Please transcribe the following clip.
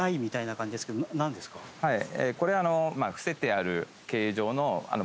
はい。